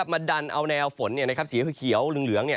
มาดันเอาแนวฝนสีเขียวเหลือง